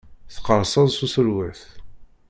Teqqerṣeḍ seg userwet.